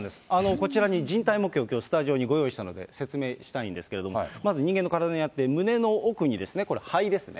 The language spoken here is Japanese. こちらに人体模型をきょう、スタジオにご用意したので、説明したいんですが、まず人間の体にあって、胸の奥に、これ、肺ですね。